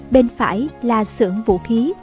bên phải là sưởng vũ khí